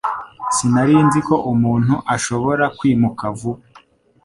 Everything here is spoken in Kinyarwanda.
Sinari nzi ko umuntu ashobora kwimuka vuba.